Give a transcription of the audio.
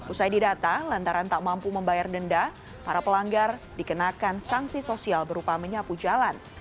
usai didata lantaran tak mampu membayar denda para pelanggar dikenakan sanksi sosial berupa menyapu jalan